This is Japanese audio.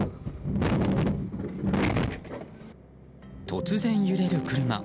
突然、揺れる車。